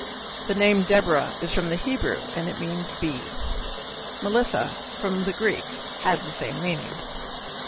The name "Deborah" is from the Hebrew and means bee; "Melissa," from the Greek, has the same meaning.